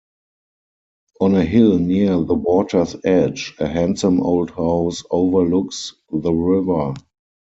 On a hill near the water's edge a handsome old house overlooks the river.